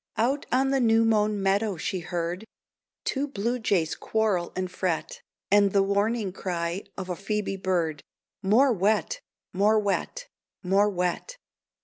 Out on the new mown meadow she heard Two blue jays quarrel and fret, And the warning cry of a Phoebe bird "More wet, more wet, more wet."